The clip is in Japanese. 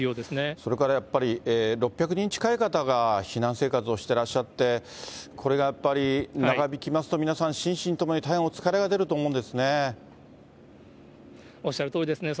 それからやっぱり、６００人近い方が避難生活をしてらっしゃって、これがやっぱり長引きますと、皆さん心身ともに大変お疲れおっしゃるとおりですね。